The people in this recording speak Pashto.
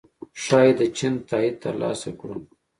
ښايي د چین تائید ترلاسه کړو